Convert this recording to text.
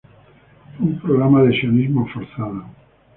Fue un programa de sionismo forzado.